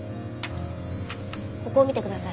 ここを見てください。